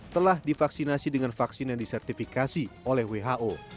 telah divaksinasi dengan vaksin yang disertifikasi oleh who